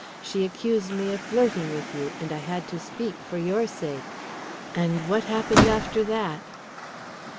"She accused me of flirting with you, and I had to speak for your sake." "And what happened after that?"